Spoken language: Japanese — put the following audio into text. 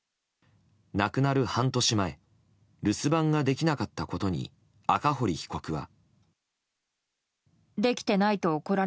亡くなる半年前、留守番ができなかったことに赤堀被告は。